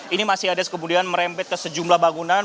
ini masih ada kemudian merembet ke sejumlah bangunan